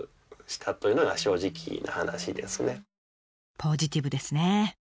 ポジティブですね！